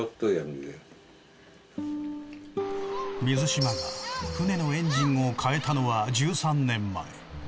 水嶋が船のエンジンを変えたのは１３年前。